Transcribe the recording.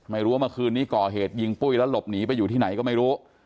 เมื่อคืนนี้ก่อเหตุยิงปุ้ยแล้วหลบหนีไปอยู่ที่ไหนก็ไม่รู้